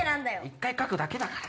一回書くだけだから。